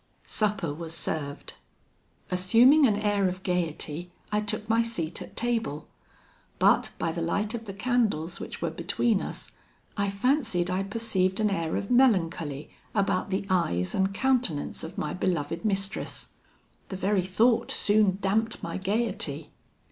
"Supper was served. Assuming an air of gaiety, I took my seat at table; but by the light of the candles which were between us, I fancied I perceived an air of melancholy about the eyes and countenance of my beloved mistress. The very thought soon damped my gaiety.